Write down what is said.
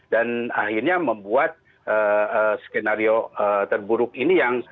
dan akhirnya membuat skenario terburuk ini yang